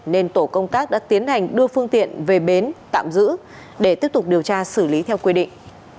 nên tổ công tác đã tiến hành đưa phương tiện về bến tạm giữ để tiếp tục điều tra xử lý theo quy định